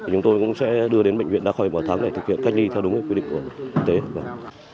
chúng tôi cũng sẽ đưa đến bệnh viện đa khoai bảo thắng để thực hiện cách ly theo đúng quy định của chúng tôi